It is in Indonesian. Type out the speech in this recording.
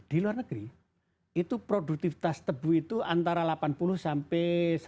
di luar negeri itu produktivitas tebu itu antara delapan puluh sampai